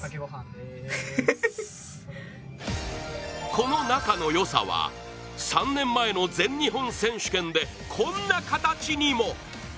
この仲のよさは３年前の全日本選手権でこんな形にも。